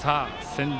仙台